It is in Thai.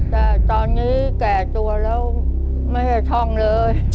แต่ตอนนี้แก่ตัวแล้วไม่ให้ท่องเลย